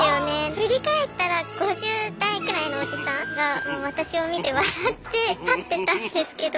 振り返ったら５０代くらいのおじさんが私を見て笑って立ってたんですけど。